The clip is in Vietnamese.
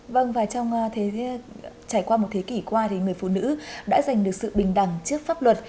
vâng và trong trải qua một thế kỷ qua thì người phụ nữ đã giành được sự bình đẳng trước pháp luật